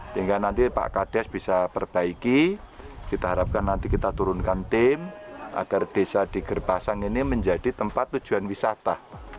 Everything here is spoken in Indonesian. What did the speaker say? sehingga nanti pak kades bisa perbaiki kita harapkan nanti kita turunkan tim agar desa di gerpasang ini menjadi tempat tujuan wisata